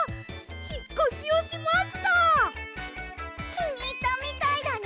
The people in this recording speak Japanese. きにいったみたいだね。